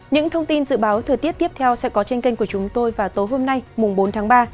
những thông tin dự báo thời tiết tiếp theo sẽ có trên kênh của chúng tôi vào tối hôm nay bốn tháng ba